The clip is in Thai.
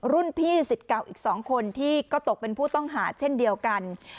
รุ่นพี่สิทธิ์เก่าอีก๒คนที่ก็ตกเป็นผู้ต้องหาเช่นเดียวกัน